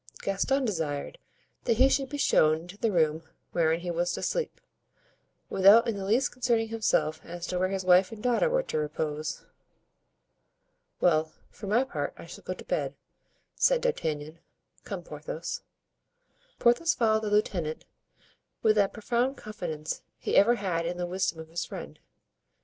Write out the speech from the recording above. Gaston desired that he should be shown into the room wherein he was to sleep, without in the least concerning himself as to where his wife and daughter were to repose. "Well, for my part, I shall go to bed," said D'Artagnan; "come, Porthos." Porthos followed the lieutenant with that profound confidence he ever had in the wisdom of his friend.